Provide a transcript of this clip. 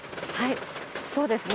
そうですね。